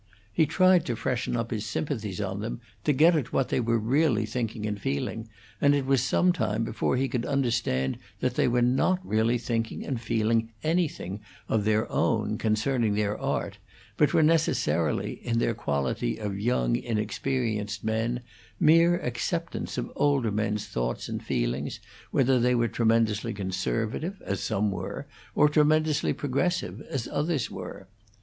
He tried to freshen up his sympathies on them, to get at what they were really thinking and feeling, and it was some time before he could understand that they were not really thinking and feeling anything of their own concerning their art, but were necessarily, in their quality of young, inexperienced men, mere acceptants of older men's thoughts and feelings, whether they were tremendously conservative, as some were, or tremendously progressive, as others were.